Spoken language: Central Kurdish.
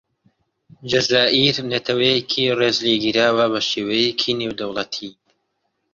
جەزائیر نەتەوەیەکی ڕێز لێگیراوە بەشێوەیەکی نێودەوڵەتی.